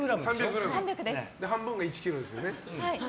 半分が１ｋｇですよね。